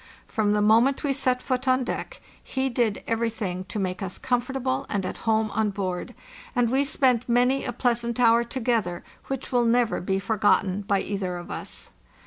From the moment we set foot on deck, he did everything to make us comfortable and at home on board, and we spent many a pleasant hour together, which will never be for gotten by either of us.